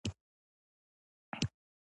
د کتاب مطالعه روح ته ارام ورکوي.